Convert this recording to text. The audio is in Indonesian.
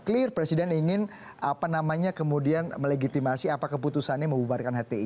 clear presiden ingin apa namanya kemudian melegitimasi apa keputusannya membubarkan hti